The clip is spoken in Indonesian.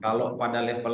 kalau pada level